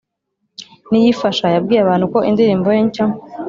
Niyifasha yabwiye abantu ko indirimbo ye nshya